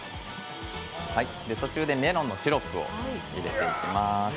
途中でメロンのシロップを入れていきます。